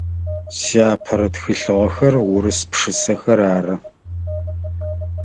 Сиапэрэ тхылъыгъэхэр урыс пшысэхэр ары.